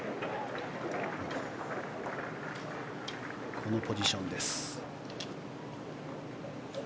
このポジションです。